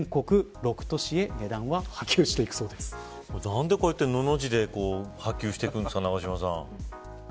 何でこうやって、の、の字で波及していくんですか長嶋さん。